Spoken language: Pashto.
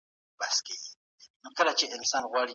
ایا تکړه پلورونکي وچ زردالو ساتي؟